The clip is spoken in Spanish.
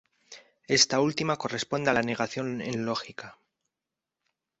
Esta última corresponde a la negación en lógica.